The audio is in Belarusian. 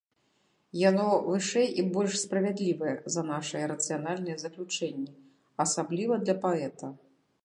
Яно вышэй і больш справядлівае за нашыя рацыянальныя заключэнні, асабліва для паэта.